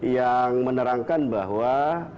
yang menerangkan bahwa